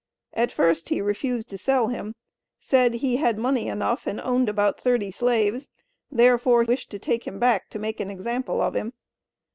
At first he refused to sell him; said he "had money enough and owned about thirty slaves;" therefore wished to "take him back to make an example of him."